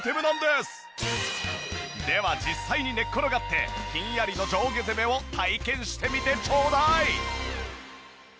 では実際に寝っ転がってひんやりの上下攻めを体験してみてちょうだい！